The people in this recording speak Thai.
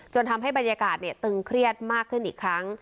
ทำให้บรรยากาศตึงเครียดมากขึ้นอีกครั้ง